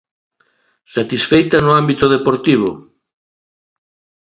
Satisfeita no ámbito deportivo?